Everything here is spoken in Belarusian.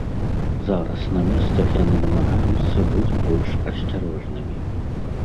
Зараз на месцах яны намагаюцца быць больш асцярожнымі.